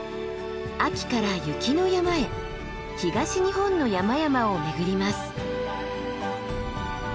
秋から雪の山へ東日本の山々を巡ります。